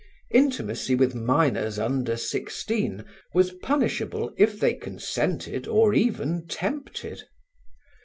Intimacy with minors under sixteen was punishable if they consented or even tempted.